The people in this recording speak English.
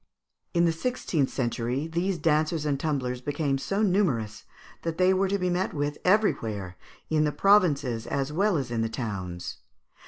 In the sixteenth century these dancers and tumblers became so numerous that they were to be met with everywhere, in the provinces as well as in the towns.